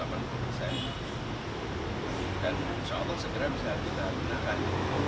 dan insya allah segera bisa kita gunakan